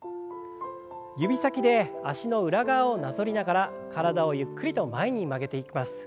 指先で脚の裏側をなぞりながら体をゆっくりと前に曲げていきます。